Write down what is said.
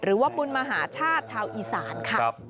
หรือว่าบุญมหาชาติชาวอีสานค่ะ